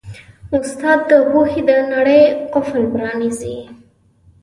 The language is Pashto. استاد د پوهې د نړۍ قفل پرانیزي.